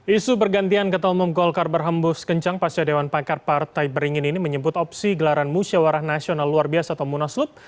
isu pergantian ketua umum golkar berhembus kencang pasca dewan pakar partai beringin ini menyebut opsi gelaran musyawarah nasional luar biasa atau munaslup